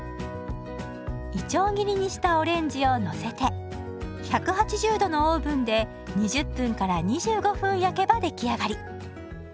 いちょう切りにしたオレンジをのせて１８０度のオーブンで２０分２５分焼けば出来上がり。